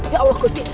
ya allah gusti